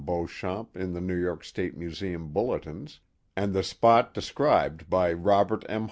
Beauchamp in the New York State Museum Bulletins, and the spot described by Robert M.